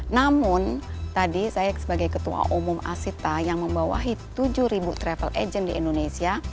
namun tadi saya sebagai ketua umum asita yang membawahi tujuh travel agent di indonesia